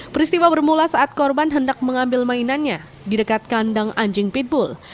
peristiwa bermula saat korban hendak mengambil mainannya di dekat kandang anjing pitbull